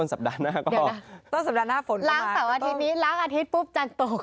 ต้นสัปดาห์หน้าฝนก็มาล้างเสาร์อาทิตย์นี้ล้างอาทิตย์ปุ๊บจันตก